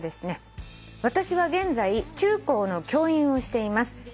「私は現在中高の教員をしています」